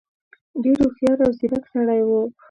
ډېر هوښیار او ځيرک سړی وو.